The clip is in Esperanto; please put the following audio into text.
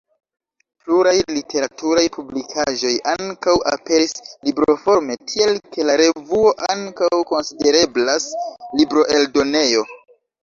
Pluraj literaturaj publikaĵoj ankaŭ aperis libroforme, tiel ke la revuo ankaŭ konsidereblas libroeldonejo.